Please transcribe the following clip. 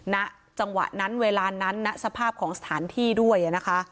ณจังหวะนั้นเวลานั้นณสภาพของสถานที่ด้วยนะคะ